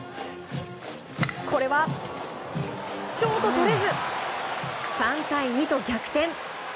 これはショート、とれず３対２と逆転。